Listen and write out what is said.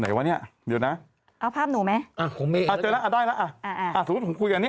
คุยกันเยอะมากเลย